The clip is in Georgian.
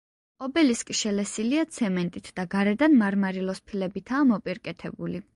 ობელისკი შელესილია ცემენტით და გარედან მარმარილოს ფილებითაა მოპირკეთებული.